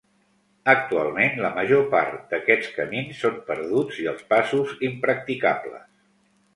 Actualment la major part d'aquests camins són perduts i, els passos, impracticables.